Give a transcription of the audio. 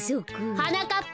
はなかっぱ！